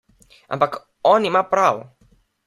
Ampak on ima prav.